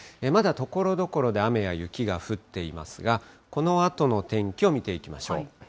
まだところどころで雨や雪が降っていますが、このあとの天気を見ていきましょう。